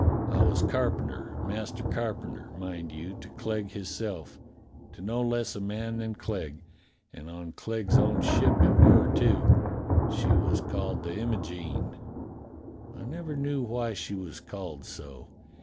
I was carpenter, master car penter, mind you, to Clegg hisself — to no less a man than Clegg. And on Clegg's own ship it were, too. She was called the Imogene. I never knew why she was called so.